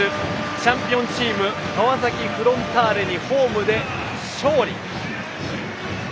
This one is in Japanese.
チャンピオンチーム川崎フロンターレにホームで勝利。